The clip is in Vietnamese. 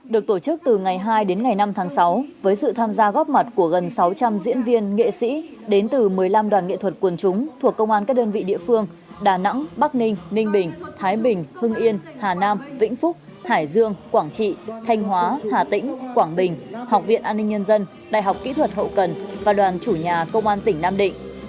được tổ chức từ ngày hai đến ngày năm tháng sáu với sự tham gia góp mặt của gần sáu trăm linh diễn viên nghệ sĩ đến từ một mươi năm đoàn nghệ thuật quần chúng thuộc công an các đơn vị địa phương đà nẵng bắc ninh ninh bình thái bình hưng yên hà nam vĩnh phúc hải dương quảng trị thanh hóa hà tĩnh quảng bình học viện an ninh nhân dân đại học kỹ thuật hậu cần và đoàn chủ nhà công an tỉnh nam định